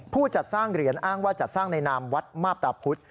ผู้จัดสร้างเหรียญอ้างว่าจัดสร้างในนามวัดมาบตาพุธ